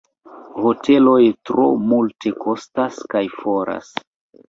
Hoteloj tro multekostas kaj foras.